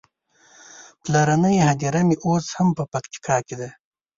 پلرنۍ هديره مې اوس هم په پکتيکا کې ده.